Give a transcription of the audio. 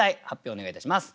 お願いいたします。